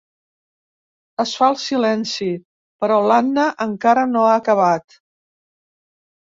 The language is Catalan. Es fa el silenci, però l'Anna encara no ha acabat.